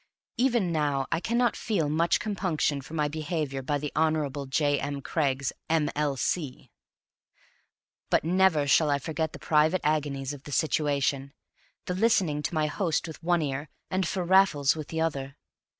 Even now I cannot feel much compunction for my behavior by the Hon. J. M. Craggs, M.L.C. But never shall I forget the private agonies of the situation, the listening to my host with one ear and for Raffles with the other!